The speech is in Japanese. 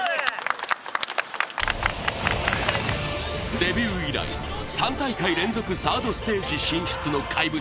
デビュー以来、３大会連続サードステージ進出の怪物